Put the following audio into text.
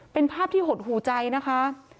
เป็นภาพที่หดหูใจนะคะ